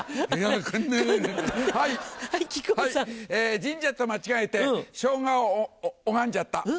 神社と間違えてショウガを拝んじゃった。